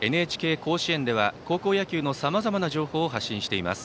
「ＮＨＫ甲子園」では高校野球のさまざまな情報を発信しています。